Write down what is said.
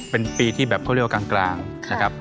เป็นปีที่แบบเขาเรียกว่ากลางนะครับ